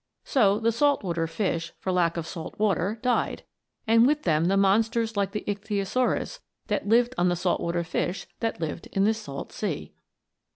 So the salt water fish, for lack of salt water, died, and with them the monsters like the Ichthyosaurus that lived on the salt water fish that lived in this salt sea.